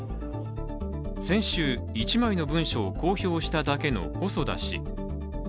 先週、１枚の文書を公表しただけの細田氏。